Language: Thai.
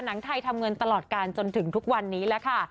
หนังไทยทำเงินตลอดการจนถึงทุกวันนี้แล้วค่ะ